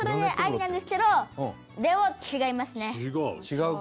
違う。